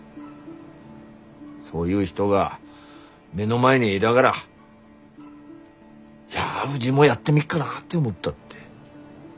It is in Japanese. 「そういう人が目の前にいだがらじゃあうぢもやってみっかなって思った」って。